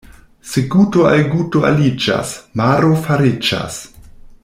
Se guto al guto aliĝas, maro fariĝas.